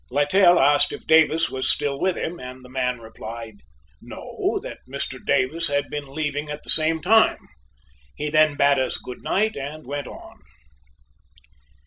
Littell asked if Davis was still with him, and the man replied, "No"; that "Mr. Davis had been leaving at the same time." He then bade us good night, and went on.